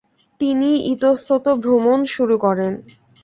তিনি ইতস্তত ভ্রমণ শুরু করেন ।